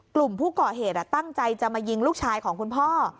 กลุ่มผู้ก่อเหตุตั้งใจจะมายิงลูกชายของคุณพ่อ